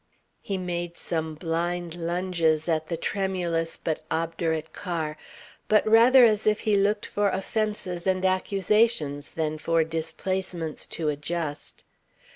He made some blind lunges at the tremulous but obdurate car, but rather as if he looked for offences and accusations than for displacements to adjust.